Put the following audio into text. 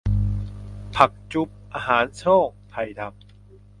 ผักจุบ อาหารโซ่ง ไทดำ